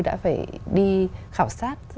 đã phải đi khảo sát